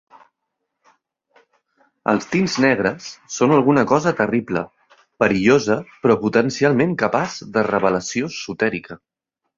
Els tints negres són alguna cosa terrible, perillosa però potencialment capaç de revelació esotèrica.